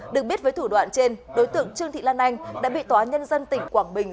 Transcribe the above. được biết với thủ đoạn trên đối tượng trương thị lan anh đã bị tòa nhân dân tỉnh quảng bình